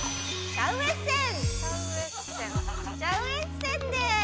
シャウエッセンです。